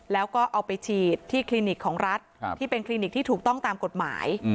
แล้วก็เอาไปฉีดที่คลินิกของรัฐที่เป็นคลินิกที่ถูกต้องตามกฎหมาย